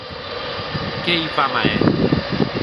Qué i vam a hèr!